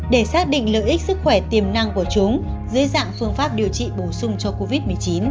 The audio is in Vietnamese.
để xác định lợi ích sức khỏe tiềm năng của chúng dưới dạng phương pháp điều trị bổ sung cho covid một mươi chín